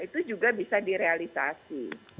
itu juga bisa direalisasi